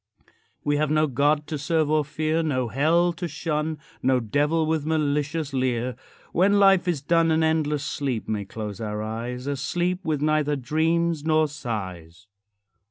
We have no God to serve or fear, No hell to shun, No devil with malicious leer. When life is done An endless sleep may close our eyes, A sleep with neither dreams nor sighs.